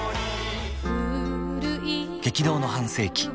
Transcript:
激動の半世紀